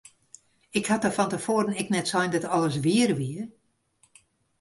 Ik ha dochs fan te foaren ek net sein dat alles wier wie!